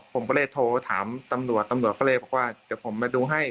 ผมก็เลยโทรถามตำรวจตำรวจก็เลยบอกว่าเดี๋ยวผมมาดูให้